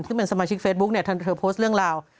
ซึ่งเป็นสมาชิกเฟซบุ๊กเนี่ยเธอโพสต์เรื่องราว